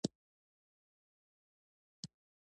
ګوتي شمېري، سر يې ښوري